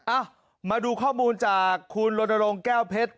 อ่ะมาดูข้อมูลจากคุณลนโรงแก้วเพชร